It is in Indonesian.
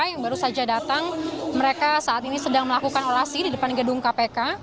yang baru saja datang mereka saat ini sedang melakukan olasi di depan gedung kpk